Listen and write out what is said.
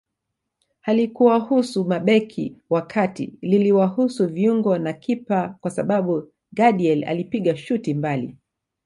Halikuwahusu mabeki wa kati liliwahusu viungo na kipa kwa sababu Gadiel alipiga shuti mbali